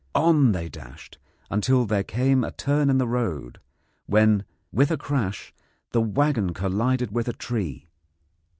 On they dashed until there came a turn in the road, when with a crash the waggon collided with a tree.